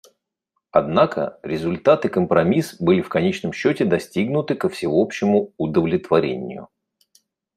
Однако результат и компромисс были в конечном счете достигнуты ко всеобщему удовлетворению.